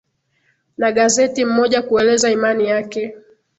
na gazeti mmoja kueleza imani yake